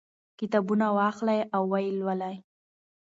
کتابونه واخلئ او ویې لولئ.